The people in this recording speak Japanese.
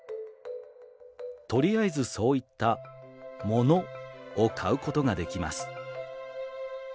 とりあえずそういった『物』を買うことができます」。